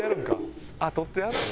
取ってやるんか。